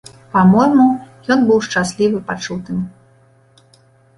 Па-мойму, ён быў шчаслівы пачутым.